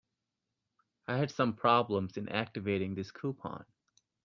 I had some problems in activating this coupon.